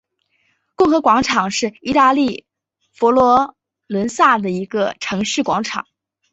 共和广场是意大利佛罗伦萨的一个城市广场。